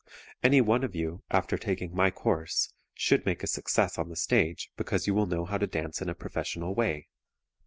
Any one of you, after taking my course, should make a success on the stage because you will know how to dance in a professional way.